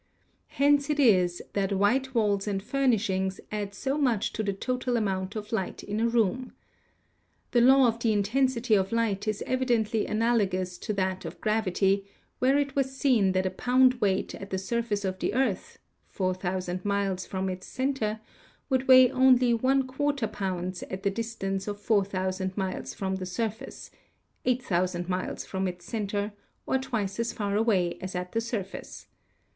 Hence it is that white walls and furnishings add so much to the total amount of light in a room. The law of the Intensity of Light is evidently analogous to that of gravity, where it was seen that a pound weight at the surface of the earth (4,000 miles from its center) would weigh only % lb. at the distance of 4,000 miles from the surface (8,000 miles from its center, or twice as far away as at the surface).